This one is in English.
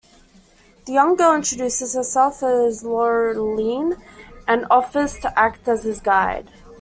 The young girl introduces herself as Laureline and offers to act as his guide.